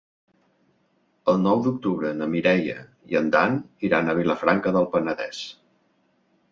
El nou d'octubre na Mireia i en Dan iran a Vilafranca del Penedès.